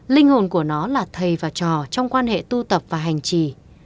linh hồn của nó là thầy và trò trong quan hệ tu tập và hành trì